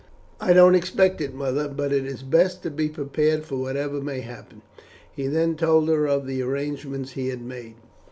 "I don't expect it, mother, but it is best to be prepared for whatever may happen." He then told her of the arrangements he had made.